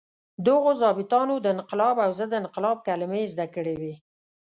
دغو ظابیطانو د انقلاب او ضد انقلاب کلمې زده کړې وې.